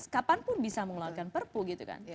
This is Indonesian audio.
kapanpun bisa mengeluarkan perpu gitu kan